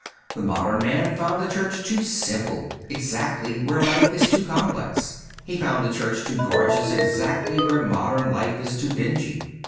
The modern man found the Church too simple exactly where life is too complex ; he found the Church too gorgeous exactly where modern life is too dingy.